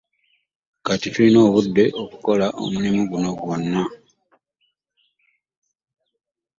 Kati tulina obudde obumala okukola omulimu guno gwonna.